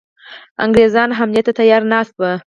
انګرېزان حملې ته تیار ناست وه.